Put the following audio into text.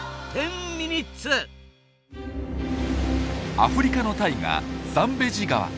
アフリカの大河ザンベジ川。